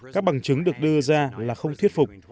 các bằng chứng được đưa ra là không thuyết phục